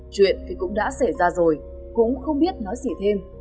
chuyện thì cũng đã xảy ra rồi cũng không biết nói gì thêm